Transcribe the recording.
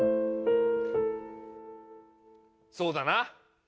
そうだな！